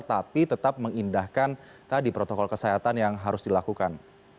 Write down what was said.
tapi tetap mengindahkan tadi protokol kesehatan yang harus dilakukan